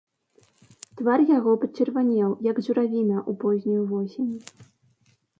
Твар яго пачырванеў, як журавіна ў познюю восень.